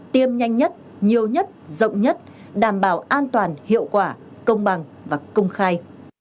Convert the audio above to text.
tiêm nhanh nhất nhiều nhất rộng nhất đảm bảo an toàn hiệu quả công bằng và công khai